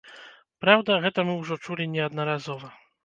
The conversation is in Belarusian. Праўда, гэта мы ўжо чулі неаднаразова.